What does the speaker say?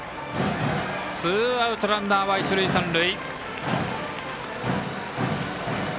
ツーアウト、ランナーは一塁三塁。